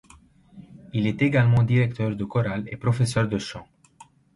Il est également directeur de chorale et professeur de chant.